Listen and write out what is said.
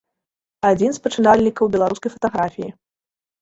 Адзін з пачынальнікаў беларускай фатаграфіі.